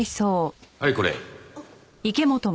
はいこれ。